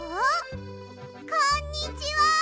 こんにちは！